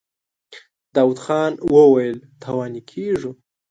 داوود خان وويل: تاواني کېږو.